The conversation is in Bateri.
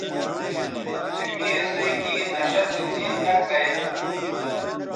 چہء می اِسئ کیں نشہ سو څیز نہ کھہ ید تھو